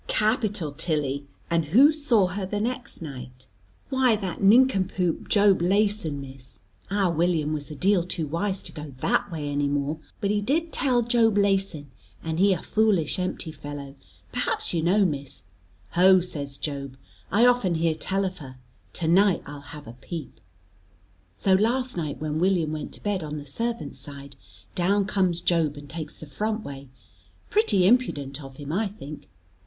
"Capital, Tilly! And who saw her the next night?" "Why that nincompoop Job Leyson, Miss. Our William was a deal too wise to go that way any more, but he tell Job Leyson, and he a foolish empty fellow, perhaps you know, Miss. 'Ho,' says Job, 'I often hear tell of her, to night I'll have a peep.' So last night when William went to bed on the servants' side, down comes Job and takes the front way, pretty impudent of him I think.